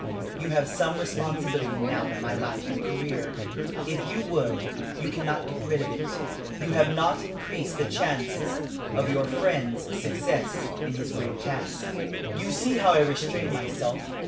You have some responsibility now in my life and career; if you would, you cannot get rid of it. You have not increased the chances of your friend's success in his great task. "You see how I restrain myself.